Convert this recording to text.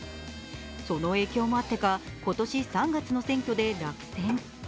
その影響もあってか、今年３月の選挙で落選。